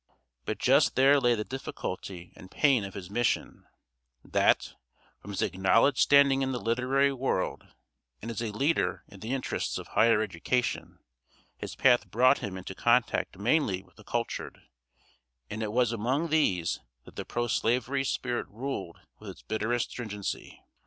But just there lay the difficulty and pain of his mission: that, from his acknowledged standing in the literary world, and as a leader in the interests of higher education, his path brought him into contact mainly with the cultured, and it was among these that the pro slavery spirit ruled with its bitterest stringency.